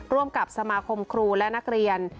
ร่วมกับสมาคมครูและนักเรียน